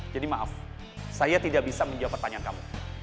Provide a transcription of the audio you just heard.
jadi maaf saya tidak bisa menjawab pertanyaan kamu